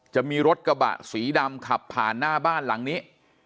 จะมีรถกระบะสีดำขับผ่านหน้าบ้านหลังนี้